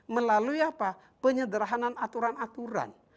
melalui apa penyederhanan aturan aturan